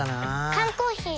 缶コーヒー